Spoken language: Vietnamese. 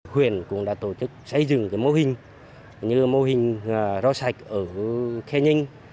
huyền cũng đã tổ chức xây dựng cái mô hình như mô hình rõ sạch ở khen ninh